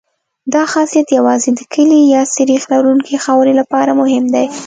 دا خاصیت یوازې د کلې یا سریښ لرونکې خاورې لپاره مهم دی